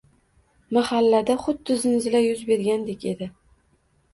Mahallada xuddi zilzila yuz bergandek edi